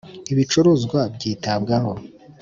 Ibicuruzwa byitabwaho.